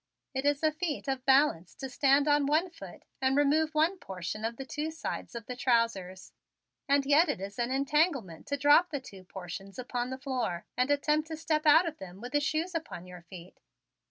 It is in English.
It is a feat of balance to stand on one foot and remove one portion of the two sides of the trousers, and yet it is an entanglement to drop the two portions upon the floor and attempt to step out of them with the shoes upon your feet.